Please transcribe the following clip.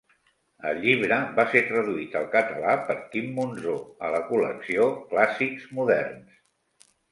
El llibre va ser traduït al català per Quim Monzó, a la col·lecció Clàssics Moderns.